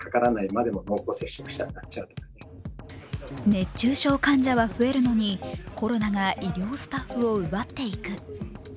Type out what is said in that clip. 熱中症患者は増えるのに、コロナが医療スタッフを奪っていく。